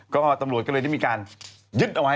ก็ตำรวจก็เลยได้มีการยึดเอาไว้